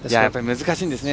難しいんですね。